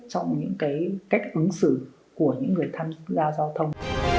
cái cách ứng xử của những người thân ra giao thông